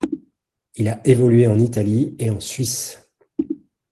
Il a évolué en Italie et en Suisse.